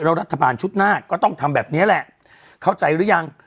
แล้วรัฐบาลชุดหน้าก็ต้องทำแบบนี้แหละเข้าใจหรือยัง